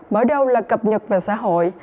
mở đầu là cập nhật về xã hội